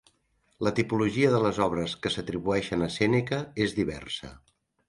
La tipologia de les obres que s'atribueixen a Sèneca és diversa.